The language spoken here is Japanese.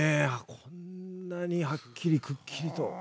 こんなにはっきりくっきりと。